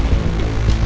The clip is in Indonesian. saya mau ke rumah